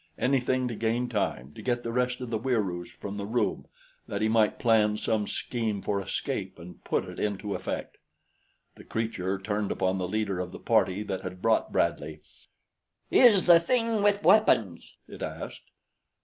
Anything to gain time, to get the rest of the Wieroos from the room, that he might plan some scheme for escape and put it into effect. The creature turned upon the leader of the party that had brought Bradley. "Is the thing with weapons?" it asked.